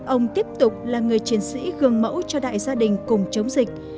ông tiếp tục là người chiến sĩ gương mẫu cho đại gia đình cùng chống dịch